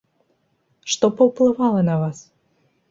Што паўплывала на вас?